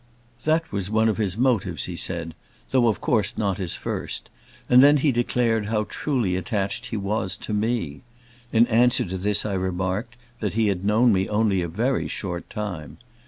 That was one of his motives, he said; though, of course, not his first: and then he declared how truly attached he was to me. In answer to this, I remarked, that he had known me only a very short time.